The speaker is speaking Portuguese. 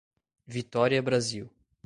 Vitória Brasil